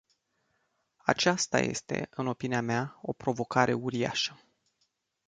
Aceasta este, în opinia mea, o provocare uriașă.